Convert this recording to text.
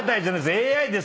ＡＩです。